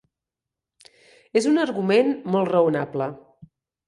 Es un argument molt raonable.